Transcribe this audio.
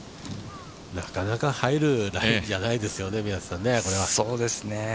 なかなか入るラインじゃないですよね。